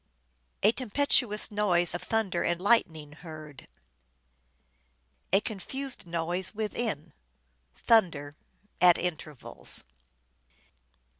" A tempestuous noise of thunder and lightning heard." "A confused noise within." "Thunder" (at intervals).